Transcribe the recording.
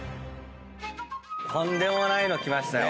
とんでもないのきましたよ。